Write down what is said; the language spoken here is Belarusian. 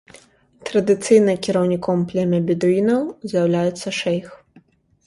Традыцыйна кіраўніком племя бедуінаў з'яўляецца шэйх.